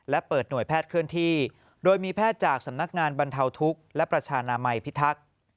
และเปิดหน่วยแพทย์เคลื่อนที่โดยมีแพทย์จากสำนักงานบรรเทาทุกข์และประชานามัยพิทักษ์